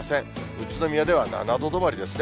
宇都宮では７度止まりですね。